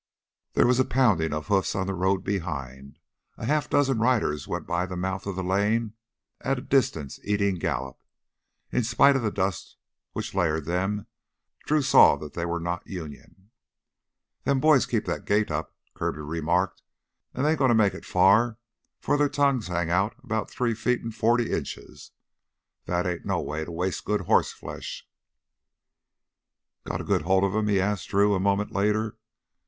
There was a pounding of hoofs on the road behind. A half dozen riders went by the mouth of the land at a distance eating gallop. In spite of the dust which layered them Drew saw they were not Union. "Them boys keep that gait up," Kirby remarked, "an' they ain't gonna make it far 'fore their tongues hang out 'bout three feet an' forty inches. That ain't no way to waste good hoss flesh." "Got a good hold on him?" he asked Drew a moment later.